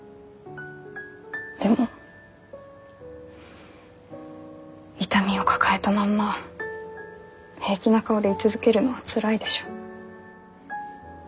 でも痛みを抱えたまんま平気な顔で居続けるのはつらいでしょ。